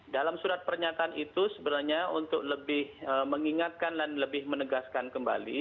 dalam surat pernyataan itu sebenarnya untuk lebih mengingatkan dan lebih menegaskan kembali